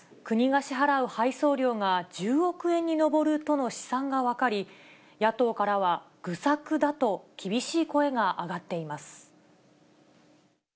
国が支払う配送料が１０億円に上るとの試算が分かり、野党からは愚策だと厳しい声が上がっています。